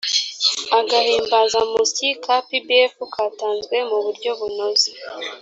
agahimbazamusyi ka pbf katanzwe mu buryo bunoze